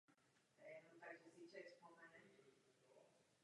Pohřeb se konal o tři dny později v Bělehradě.